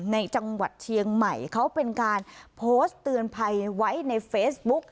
ในจังหวัดเชียงใหม่เขาเป็นการโพสต์เตือนภัยไว้ในเฟซบุ๊ก